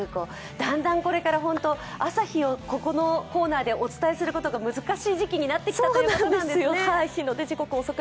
だんだんこれから朝日をここのコーナーでお伝えすることが難しい時期になってきたということなんですね。